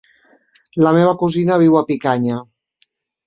La meva cosina viu a Picanya.